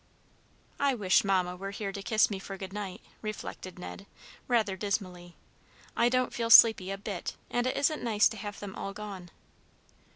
"I wish Mamma were here to kiss me for good night," reflected Ned, rather dismally. "I don't feel sleepy a bit, and it isn't nice to have them all gone."